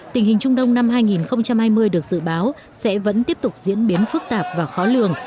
tình hình trung đông năm hai nghìn hai mươi được dự báo sẽ vẫn tiếp tục diễn biến phức tạp và khó lường